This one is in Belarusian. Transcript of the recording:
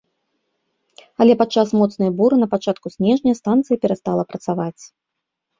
Але падчас моцнай буры на пачатку снежня станцыя перастала працаваць.